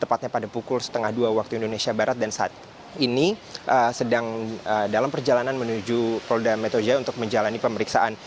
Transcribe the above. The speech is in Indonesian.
tepatnya pada pukul setengah dua waktu indonesia barat dan saat ini sedang dalam perjalanan menuju polda metro jaya untuk menjalani pemeriksaan